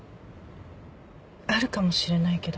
あるかもしれないけど。